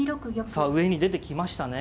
さあ上に出てきましたね。